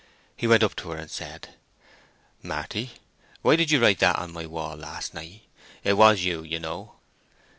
He went up to her and said, "Marty, why did you write that on my wall last night? It was you, you know."